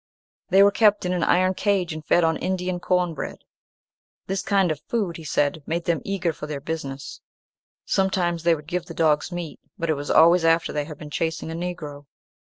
They were kept in an iron cage, and fed on Indian corn bread. This kind of food, he said, made them eager for their business. Sometimes they would give the dogs meat, but it was always after they had been chasing a Negro."